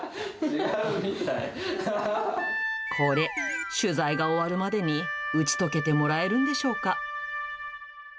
これ、取材が終わるまでに打ち解けてもらえるんでしょうか。